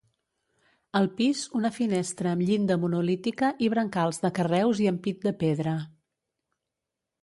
Al pis una finestra amb llinda monolítica i brancals de carreus i ampit de pedra.